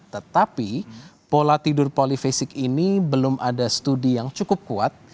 tetapi pola tidur polifisik ini belum ada studi yang cukup kuat